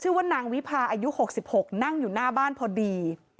ชื่อว่านางวิพาอายุ๖๖นั่งอยู่หน้าบ้านพอดี